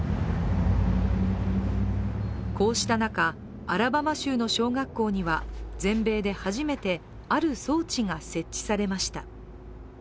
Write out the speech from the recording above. こうした中、アラバマ州の小学校には全米で初めて、ある装置が設置されました。